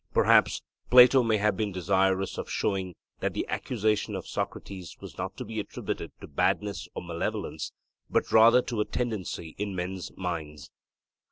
Perhaps Plato may have been desirous of showing that the accusation of Socrates was not to be attributed to badness or malevolence, but rather to a tendency in men's minds.